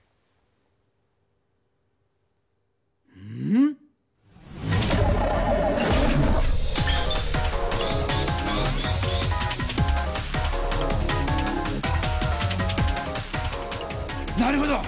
ん⁉なるほど！